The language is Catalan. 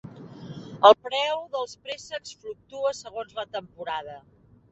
El preu dels préssecs fluctua segons la temporada.